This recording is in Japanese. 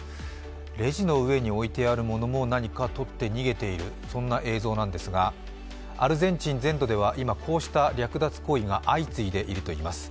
レジの上に置いてあるものも何か取って逃げている、そんな映像なんですが、アルゼンチン全土では今、こうした略奪行為が相次いでいるといいます。